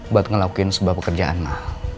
buat ngelakuin sebuah pekerjaan lah